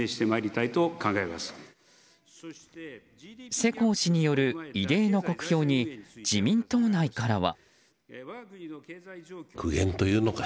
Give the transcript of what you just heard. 世耕氏による異例の酷評に自民党内からは。